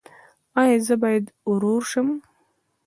ایا زه باید ورور شم؟